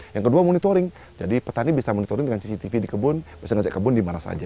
yang kedua monitoring jadi petani bisa monitoring dengan cctv di kebun bisa ngecek kebun di mana saja